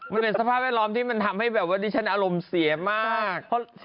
มันเป็นสภาพแวดล้อมที่มันทำให้แบบว่าดิฉันอารมณ์เสียมาก